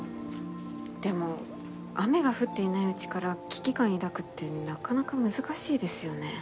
でも雨が降っていないうちから危機感抱くってなかなか難しいですよね。